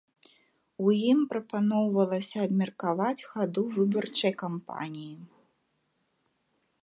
У ім прапаноўвалася абмеркаваць хаду выбарчай кампаніі.